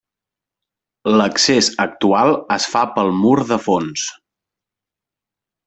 L'accés actual es fa pel mur de fons.